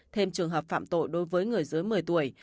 thêm trường hợp phạm tội đối với người dưới một mươi tuổi